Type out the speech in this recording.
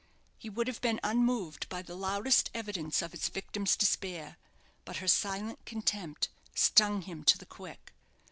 He would have been unmoved by the loudest evidence of his victim's despair; but her silent contempt stung him to the quick.